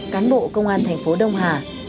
cán bộ công an thành phố đông hà